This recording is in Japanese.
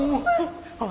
あっ。